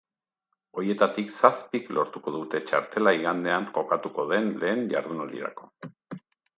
Horietatik zazpik lortuko dute txartela igandean jokatuko den lehen jardunaldirako.